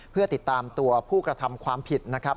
เพื่อติดตามตัวผู้กระทำความผิดนะครับ